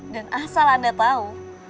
dan asal anda tau